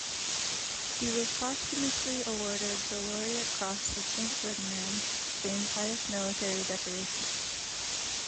He was posthumously awarded the Laureate Cross of Saint Ferdinand, Spain's highest military decoration.